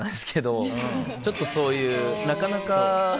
ちょっとそういうなかなか。